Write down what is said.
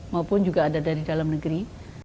dan juga ada dari dalam negeri